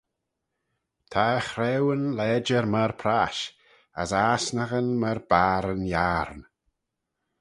Ta e chraueyn lajer myr prash, as e asnaghyn myr barryn yiarn.